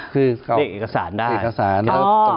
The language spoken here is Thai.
คือเขาเตรกเอกสารได้